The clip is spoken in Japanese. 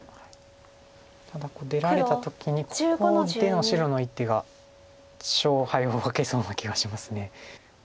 ただ出られた時にここでの白の一手が勝敗を分けそうな気がします。